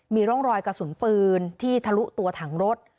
มีร่องรอยกระสุนปืนที่ทะลุตัวถังรถ